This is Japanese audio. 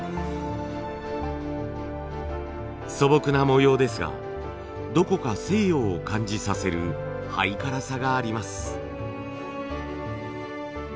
素朴な模様ですがどこか西洋を感じさせるハイカラさがあります。